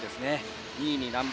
２位に難波。